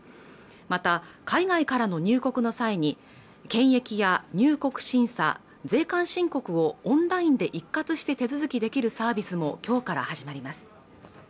また海外からの入国の際に検疫や入国審査、税関申告をオンラインで一括して手続きできるサービスも今日から始まります